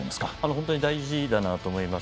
本当に大事だなと思います。